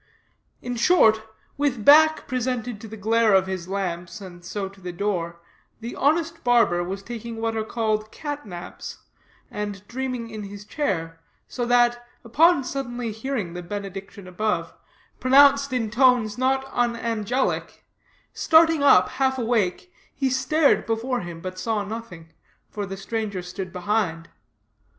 In short, with back presented to the glare of his lamps, and so to the door, the honest barber was taking what are called cat naps, and dreaming in his chair; so that, upon suddenly hearing the benediction above, pronounced in tones not unangelic, starting up, half awake, he stared before him, but saw nothing, for the stranger stood behind.